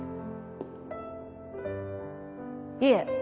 いえ